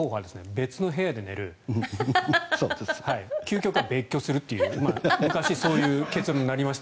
別の部屋で寝る究極は別居するという昔、そういう結論になりました。